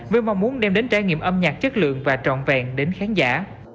với mong muốn đem đến trải nghiệm âm nhạc chất lượng và trọn vẹn đến khán giả